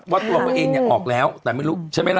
ว่าตัวเองออกแล้วแต่ไม่รู้ใช่ไหมล่ะ